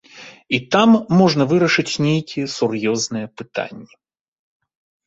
І там можна вырашыць нейкія сур'ёзныя пытанні.